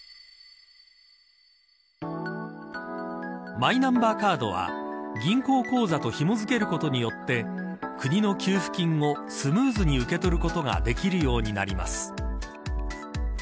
マイナンバーカードは銀行口座とひも付けることによって国の給付金をスムーズに受け取ることができるようになります。